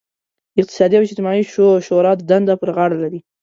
اقتصادي او اجتماعي شورا دنده پر غاړه لري.